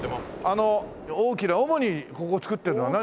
あの大きな主にここで作ってるのは何？